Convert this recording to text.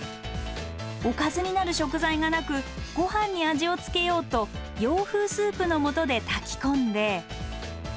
おかずになる食材がなくごはんに味をつけようと洋風スープのもとで炊き込んで。